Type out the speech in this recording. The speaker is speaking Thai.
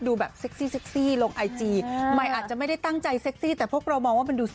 ดูแบบอิจิใหม่อาจจะไม่ได้ตั้งใจแต่พวกเรามองว่ามันดู